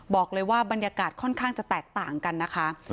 บอกเลยว่าบรรยากาศค่อนข้างจะแตกต่างกันนะคะ